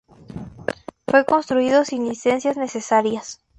Fue construido sin licencias necesarias.